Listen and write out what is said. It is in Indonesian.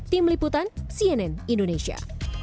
tim liputan cnn indonesia